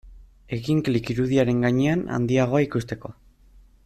Egin klik irudiaren gainean handiagoa ikusteko.